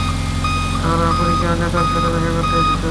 তাহলে আপনি কেন নেতার সাথে দেখা করতে এসেছেন?